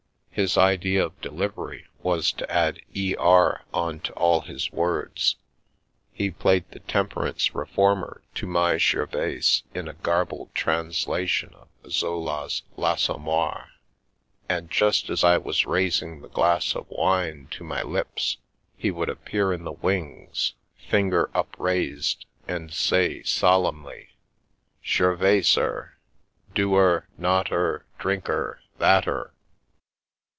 His idea of delivery was to add " er " on to all his words. He played the temperance re former to my Gervaise in a garbled translation of Zola's " L'Assommoir "; and just as I was raising the glass of wine to my lips he would appear in the wings, fin ger upraised, and say solemnly :" Gervaise er ! Do er not er drink er that er